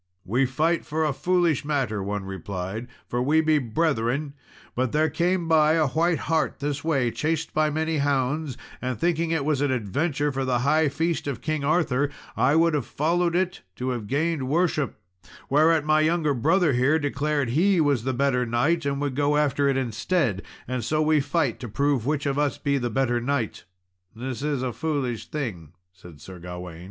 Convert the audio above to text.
"We fight for a foolish matter," one replied, "for we be brethren; but there came by a white hart this way, chased by many hounds, and thinking it was an adventure for the high feast of King Arthur, I would have followed it to have gained worship; whereat my younger brother here declared he was the better knight and would go after it instead, and so we fight to prove which of us be the better knight." "This is a foolish thing," said Sir Gawain.